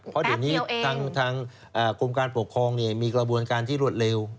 เพราะเดี๋ยวนี้ทางกรมการปกครองมีกระบวนการที่รวดเร็ว